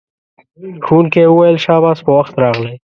ښوونکی وویل شاباس په وخت راغلئ.